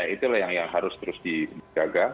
itulah yang harus terus dijaga